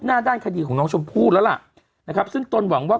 ด้านคดีของน้องชมพู่แล้วล่ะนะครับซึ่งตนหวังว่า